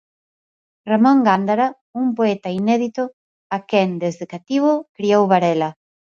Ramón Gándara, un poeta inédito a quen, desde cativo, criou Varela.